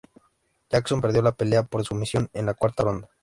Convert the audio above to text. Jackson perdió la pelea por sumisión en la cuarta ronda.